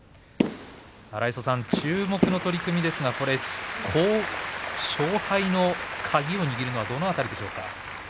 荒磯さん、注目の取組ですが勝敗の鍵を握るのはどの辺りでしょうか。